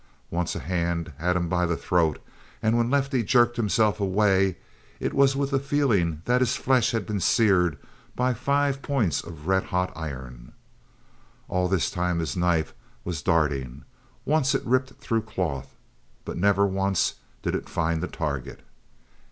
Once a hand had him by the throat, and when Lefty jerked himself away it was with a feeling that his flesh had been seared by five points of red hot iron. All this time his knife was darting; once it ripped through cloth, but never once did it find the target.